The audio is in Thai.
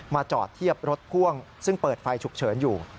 จอดเทียบรถพ่วงซึ่งเปิดไฟฉุกเฉินอยู่